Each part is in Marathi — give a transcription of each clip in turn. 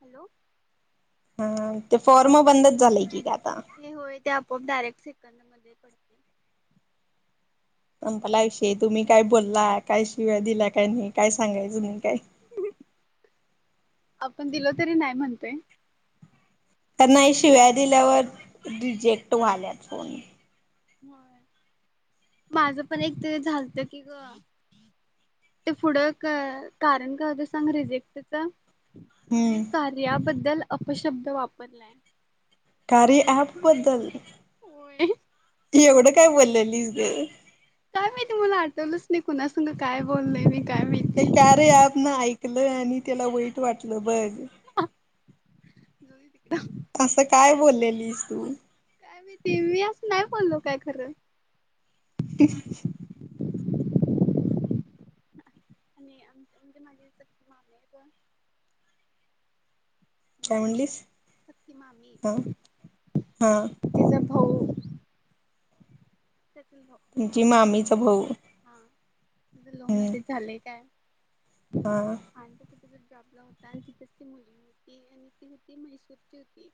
हॅलो. हा ते फॉर्म बंदच झालंय की ग आता हे होय ते आपोआप डायरेक्ट सेकंद मध्ये पड संपाला आयुषय तुम्ही काय बोलला काय शिवाय दिल्या काय नाही काय सांगायचं नाही काय? [unintelligible] आपण दिल तरी नाही म्हणतोय. तर नाही शिवय दिल्यावर रिजेक्ट वा्हाल्याच. माझं पण एक ते झालत की ग. ते पुढं क कारण काग सांग रिजेक्ट च तुम्ही हम्म कार्याबद्दल अपशब्द वापरलाय. कार्य ऍप बद्दल. होय. एवढं काय बोललेस देऊ. काय माहीत मला आठवलंच नाही कुणासग काय बोललय मी काय ते माहिती कार्य ऐप ना ऐकलं आणि त्याला वाईट वाटलं बघ. [inaudible] असं काय बोललेलीस तू नाही मी [unintelligible] नाही बोललो काय खरं. [unintelligible] आणि आमची म्हणजे माझी मामी [unintelligible] काय हॅलो म्हणलीस सख्खी मामी हा हा तिचा भाऊ त्यांनी लव्ह तुमची लव्ह मॅरे मामीचा भाऊ हां. तुमच लव्ह मॅरेज झालंय काय? हा. आणि त कुठेतरी जॉबला होता आणि तिथेच ती मुलगी होती आणि ती होती मैसूरची होती.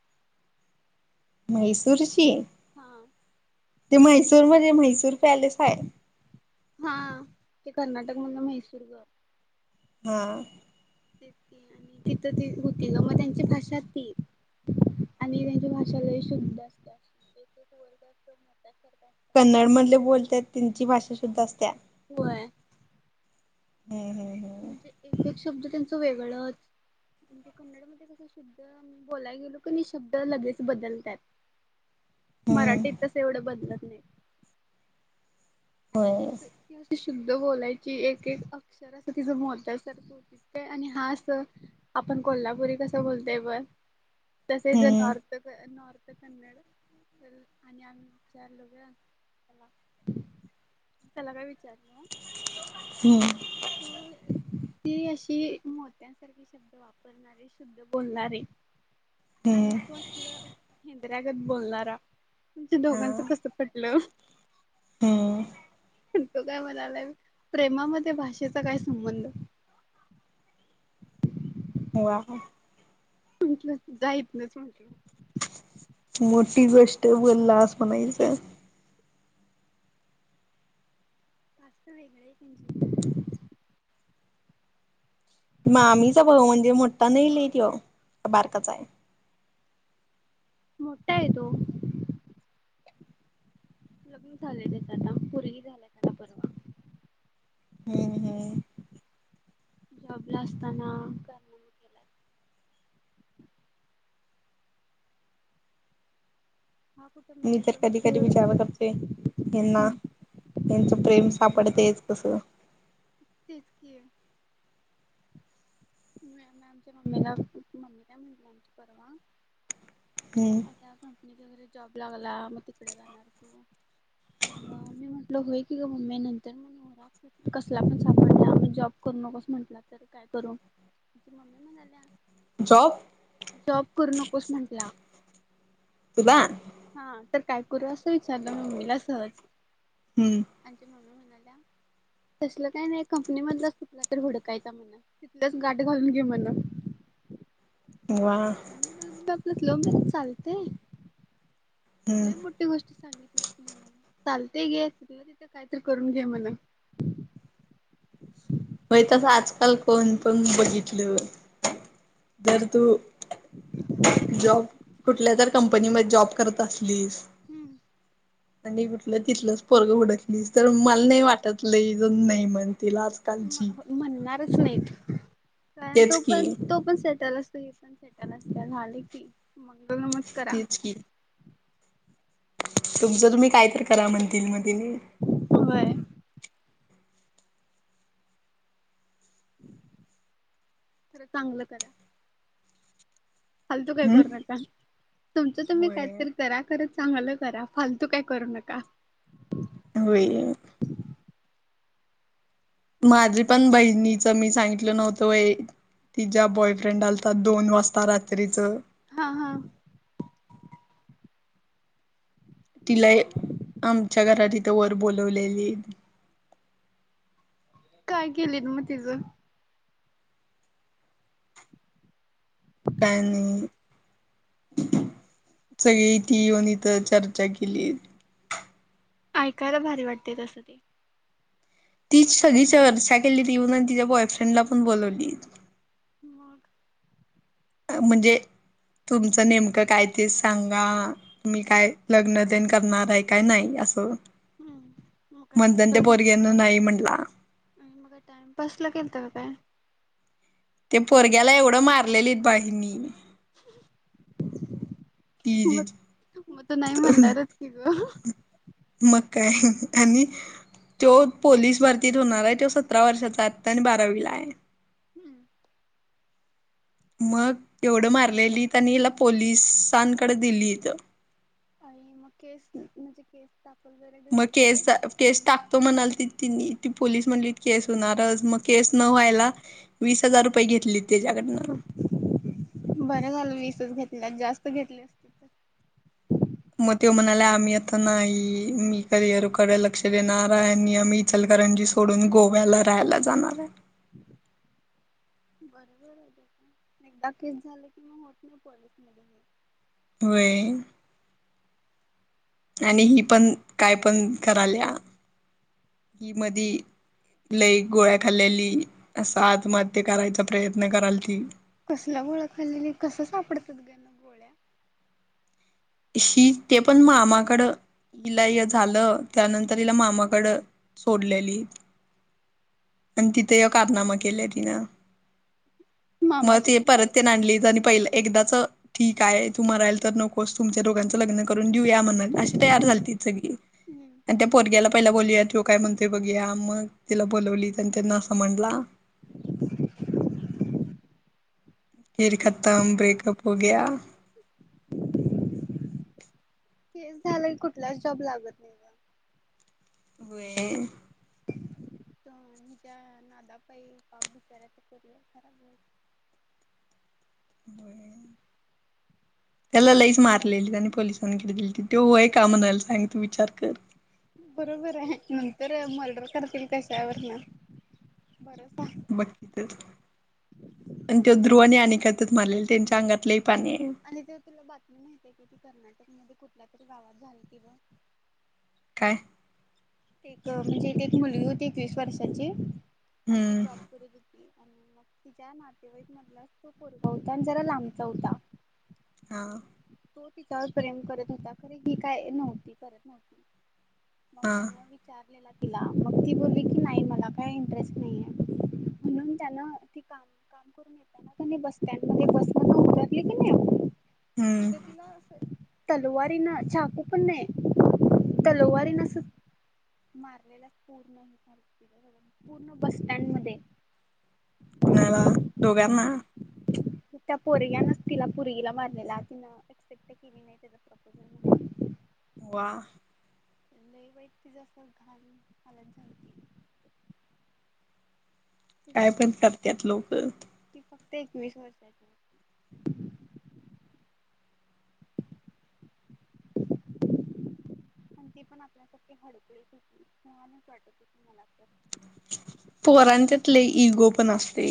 मैसूरची हां. ते म्हैसूरमध्ये म्हैहसूर पॅलेस आहे. हा आ ते कर्नाटक म्हणलं म्हैसूरग हा. आणि तिथं त होती ना मग त्यांची भाषातच ती आहे. आणि त्यांची भाषा लई शुद्ध असत्या. एक एक वर्ड असं मोत्यासारखा कन्नड असतात मधले बोलत्यात त्यांची भाषा शुद्ध असत्या. होय. हम् हम् हम म्हणजे एक एक शब्द त्यांचं वेगळंच म्हणजे [unintelligible] म्हणजे कस शुद्ध बोलाया गेलो की नि शब्द लगेच बदलत्यात हम्म हम्म मराठीत तस एवढं बदलत नाही हम्म होय आणि त ती अशी शुद्ध बोलायची एक एक अक्षर असं तिचं मोत्यासारखं होती आणि हा अस आपण कोल्हापुरी कसं बोलतय ब तसे जे हम्म हम्म नॉर्थ नॉर्थ तर कन्नड त आम्ही चार [unintelligible] त्याला काय विचारलं हम् तू ती अशी मोत्यांसारखी शब्द वाप वापरणारे शुद्ध बोलणारे आणि हम्म तू असलं हिंद्र्यागत बोलणारा तुमच्या दोघांचं हा कस पटलं हम्म तो काय म्हणाला प्रेमामध्ये भाषा भाषेचा काय संबंध वाह म्हटलं जा इथनं तू मोठी गोष्ट बोललास म्हणायचं वेगळं [unintelligible] मामीचा भाऊ म्हणजे मोठा नाही लई त्यो बारकाचा आहे मोठ्ठा येतो लग्न झालेले त्याच आता पोरगी झालिये त्यांना परवा हम्म हम्म जॉबला असताना काय हा कुठं मी तर मेडिकल कधी कधी विचार मध्ये करते यांना त्यांचं प्रेम सापडतेच कसं तेच की [unintelligible] आमच्या मम्मीला मम्मी काय म्हणली आमची परवा ह त्या कंपनीच्या वगैरे जॉब लागला मग तिकडे जाणार तू मग मी म्हटलं होय की ग मम्मी नंतर म हो कसला पण [unintelligible] जॉब करू नकुस म्हटला तर काय करू मम्मी म्हणाल्या जॉब जॉब करू नकोस म्हंटला तुला हा तर काय करूस विचारलं मम्मीला हम्म सहजआमची मम्मी म्हणाल्या तसलं काय नाही कंपनी मधलं असत तुला तर हूडकायचा म्हणा तिथल्याच गाठ घालून घे म्हणा वाह [unintelligible] आपल्यात लव्ह मॅरेज चालते हम्म लई मोठी गोष्टी सांगितलीस तू मला चालते घे तिथल्या तिथं कायतरी करून घे म्हणा होय तसा आजकाल कोण पण बघितलं जर तू जॉब कुठल्या तर कंपनी मध्ये जॉब करत असलीस हम्म आणि कुठलं तिथलंच पोरगं उडकली तर मला नाही वाटत नाहीज नाही म्हण तिलाच कालची म्हणणारच नाही कारण तो तेच की पण तो पण सेटल असतो पण सेटल असल्या झाले की मंगलमत करा तेच की तुमचं तुम्ही काय तर करा म्हणतील मग ति होय खरं चांगलं करा हालतो काय हम्म कर नका तुमचं तुम्ही होय काहीतरी करा खत चांगलं करा फालतू काय करू नका हो माझी पण बहिणीचं मी सांगितलं नव्हतं ति ज्या बॉयफ्रेंड आलातात दोन वाजता रात्रीचं हा हा तिला आमच्या घरातथं वर बोलवलेली काय केले ना मग तझं कानी सगळे इथे येऊन इथ चर्चा केली ऐकायला भारी वाटते तसं ते ती सगळी चर्चा केली तीऊन तिच्या बॉयफ्रेंडला पण बोलवली बर म्हणजे तुमचं नेमकं कायतस सांगा मी काय लग्न देन करणार आहे काय नाही असं हम्म मग काय मणधन म्हणत त्या्या बोरग्यान नाही म्हटला आणि मगा टामपास लागेल त काय ते पोरग्याला एवढं मारलेलीत बाहिनी मग ती मग त नाही म्हणणारच की ग मग काय आणि तो पोलीस भारतीत होणार आहे त सतरा वर्षाचा आता आणि बारावी ला आहे हम्म मग एवढं मारलेलीतनी हिला पोलिसांकडे दिली इथं आणि मग केस म्हणजे केस त आपर मग केस केस टाकतो म्हणाल त त ती पोलीस म्हणली केस होणारच मग केस न व्हायला वीस हजार रुपये घेतली त्याच्याकडन बरं झालं वीसच घेतल्या जास्त घेतल्यास मग ते म्हणाले आम्ही आता नाही मी किअरकडे लक्ष देणार आणि आम्ही चलकरंजी सोडून गोव्याला राहायला जाणार आहे बरोबर आहे त्या एकदा केस झाले की मग होत नाही पोलीसमध्ये होय.... आणि हि पण काय पण कराल्या हि मधी लई गोळ्या खाल्लेली असं आत्महत्या करायचा प्रयत्न कराल ती कसला गोळखाल्लेली कसं सापडतात गना ही ते पण मामाकडं हिला झालं त्यानंतर हिला मामाकड सोडलेली आणि तिथे कारनामा केलं तिनं मग मामाची ते पण परत ते ना आवडतात आणली आणि पहिलं एकदाच ठीक आहे तू म्हरायल तर नको बस... तुमच्या दोघांच लग्न करून देऊया म्हणत, अशी तयार झालती सगळी आणि त्या पोरग्यायला पहिला बोलूया काय मग ते बघूया, मग तिला बोलवली आणि त्यांना असा म्हणला खेर खतम ब्रेकअप हो ग्या केस झाला की कुठलाच जॉब लागत नाही होय. तुमच्या नादापायी. [unintelligible] होय. त्याला लईच मारलेली आणि पोलिसांनी किती दिलती तो व्हय का म्हणायला सांगी तू विचार कर. बरोबर आहे नंतर मर्डर करतील कश्यावरन बरं सा बग की त आणि ते ध्रुवाने आणि कातत मारलेले त्यांच्या अंगात लई पाणी आहे. आणि ते तुला बातमी माहितीे की ती कर्नाटक मध्ये कुठल्या तरी गावात झालीती ब. काय? एक म्हणजे एक मुलगी होती तीस वर्षाची आणि ती हम्म जॉब करत होती आणि मग तिच्या नातेवाईक मधलाच तो पोरग होता आणि जरा लांबचा होता. हा. आणि तो तिच्यावर प्रेम करत होता खर ही काय नव्हती करत नव्हती हा त्यांन वि विचारलेला तिला मग ती बोलली की नाही मला काय इंटरेस्ट नाही आहे म्हणून त्यानं ती काम करून येतना बस स्टँड मध्ये बसमधून उतरली की नई हम्म. तिला अस तलवारीन चाकू पण नाही तलवारीन अस मारलेला पूर्ण [unintelligible] पूर्ण बस स्टँड मध्ये. कुणाला दोघ्यांना? त्या पोरग्यानच तिला पोरगीला मारलेला तिनं एक्सेप्ट केली नाही तेच. वा. लई वाईट तिचं अस घान हालत झालती. ती काय फक्त पण करत्यात लोक. ती फक्त एकवीस वर्षाची [unintelligible] [unintelligible] आणि ते पण आपल्यासारखी हळकुळी. [unintelligible] पोरांच्यात लई इगो पण असते.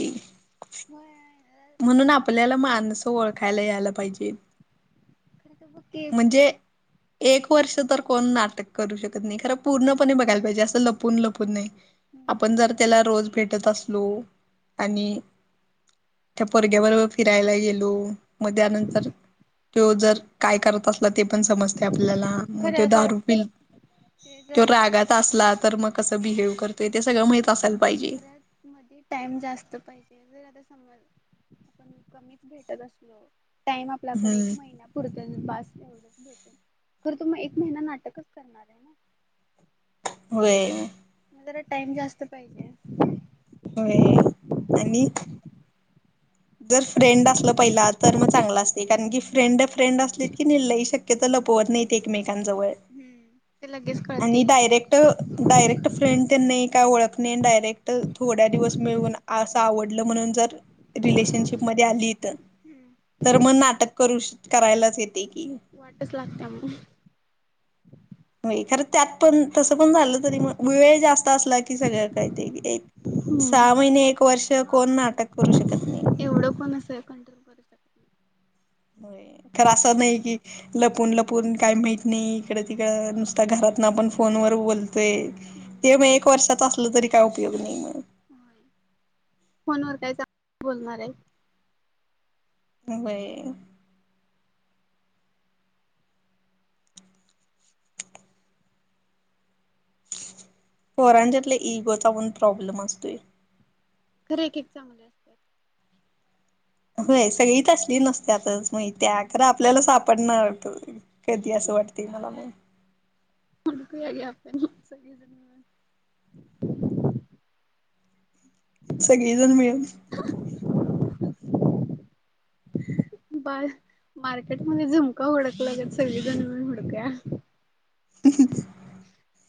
होय म्हणून आपल्याला माणसं ओळखायला यायला पाहिजे. खर तर. [unintelligible] जे एक वर्ष तर कोण नाटक करू शकत नाही खरं पूर्णपणे बघायला पाहिजे असं लपून लपून नाही. आपण जर त्याला रोज भेट टत असलो आणि त्या पोर्ग्या बरोबर फिरायला गेलो. म त्यानंतर त्यो जर काय करत असला ते पण समजते आपल्याला म त्यो खरं असं दारू पिल ते त्यो जर रागात असला तर मग कसं बिहेव करतोय ते सगळं माहीत असायल पाहिजे. मधी टाइम जास्त पाहिजे जर आता समज आपण कमीच भेटत असलो टाइम आपल्याकडे एक हम्म महिना पुरतन बास एवढच भेट खर तो मग एक महिना नाटकच करणार आहे ना. होय. म जरा टाइम जास्त पाहिजे. होय आणि जर फ्रेंड असलं पहिला तर मग चांगलं असते कारण की फ्रेंड फ्रेंड असलीत की नई लई शक क्यतो लपवत नई एकमेकांजवळ. हम्म ते लगेच कळते. ट डायरेक्ट फ्रेंड तेन नई काय ओळख नई डायरेक्ट थोड्या दिवस मिळून‌ आस आवडलं म्हणून जर रिलेशनशिपमध्ये आलीत तर हम्म तर म नाटक करूश करायलाच येते की. वाटच लागत्या म. होई खरं त्यात पण तसं पण झालं तरी मग वेळ जास्त असला की सगळं काही ते सा मग मइने एक वर्ष कोण हा नाटक करू शकत नई पड [unintelligible] होय खर असं नई की लपून लपून काय म्हइत नइ इकड तिकड नुसता घरातन आपण फोनवर बोल तोय हम्म ते म एक वर्षाच असलं तरी काय उपयोग नइ मग होय फोन वर काय [unintelligible] बोलणारय व्हय पोरांच्यातल इगोचा पण प्रॉब्लम असतोय खरं एकेक चांगली अस होय सगळी तसली नसत्यातच मइत्या खर आपल्याला सापडण आत कधी असं वाटतय मला मग हुडकूया घ्या आपण सगळी जण मिळून सगळी जण मिळूण ह बाळ मार्केटमध्ये झूमक हूडकल्यागत सगळी जण मिळून हूडकूया ह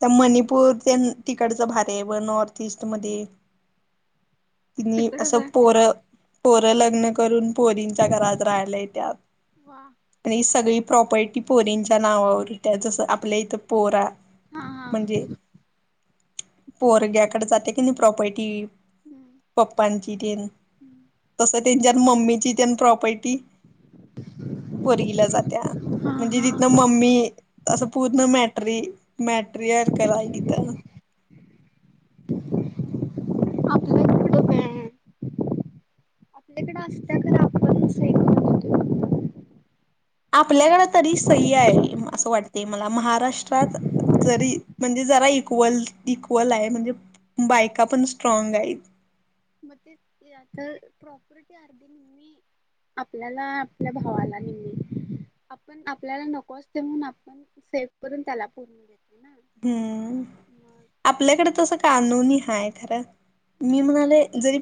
त्या मणिपूर तेन तिकडचं भारिय बग नॉर्त ईस्टमध्ये तिनी तिकडच असं आहे. पोर पोर लग्न क करुन पोरींच्या घरात राहायला वा येत्यात [unintelligible] सगळी प्रॉपर्टी पोरींच्या नावावर हुत्या जसं आपल्या इथं पोरा हा हा म्हणजे पो पोरग्याकड जात्या कणी प्रॉपर्टी पप्पांची तेन तसं त्येंच्यात मम्मीची त्येंन प्रॉपर्टी पोरगिला जात्या हा म्हणजे हा तितनं मम्मी असं पूर्ण मॅट्रि मॅट्रिअर कराय तिथं आपल्याकड असत्या खरं आपण [inaudible] आपल्याकड तरी सईय असं वाटते मला महाराष्ट्रात जरी म्हणजे जरा इक्वल इक्वलाय म्हणजे बायका पण स्ट्रॉगायत म तेच की आता प्रॉपर्टी आरदि आपल्याला आपल्या भावाला निम्मी आपण आपल्याला नको असतय म्हणून आपण सेव करून त्याला पूर्ण दे. ऊ. आपल्याकडे तस कानुनी हाय खरं, मी म्हणाले जरी